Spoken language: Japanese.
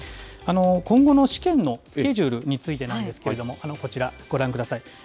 今後の試験のスケジュールについてなんですけれども、こちらご覧ください。